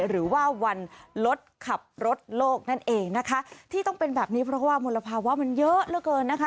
หรือว่าวันลดขับรถโลกนั่นเองนะคะที่ต้องเป็นแบบนี้เพราะว่ามลภาวะมันเยอะเหลือเกินนะคะ